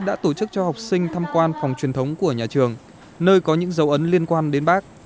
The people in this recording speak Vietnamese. đã tổ chức cho học sinh tham quan phòng truyền thống của nhà trường nơi có những dấu ấn liên quan đến bác